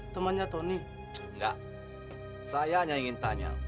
bukakanlah pintu taubat kepadanya ya allah